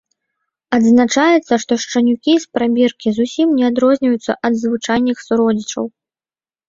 Адзначаецца, што шчанюкі з прабіркі зусім не адрозніваюцца ад звычайных суродзічаў.